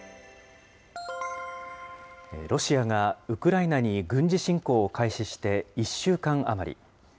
ロシアがウクライナに軍事侵攻を開始して１週間余り。